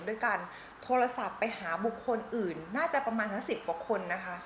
ด้วยการโทรศัพท์ไปหาบุคคลอื่นน่าจะประมาณทั้ง๑๐กว่าคนนะคะ